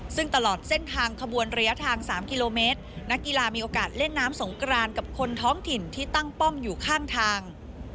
ซึ่งตลอดเส้นทางขบวนระยะทาง๓กิโลเมตรนักกีฬามีโอกาสเล่นน้ำสงกรานกับคนท้องถิ่นที่ตั้งป้อมอยู่ข้างทาง